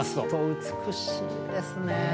美しいですね。